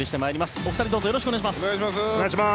お二人どうぞよろしくお願いします。